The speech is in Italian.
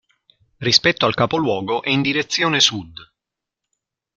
Rispetto al capoluogo è in direzione sud.